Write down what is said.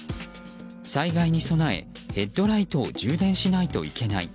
災害に備え、ヘッドライトを充電しないといけない。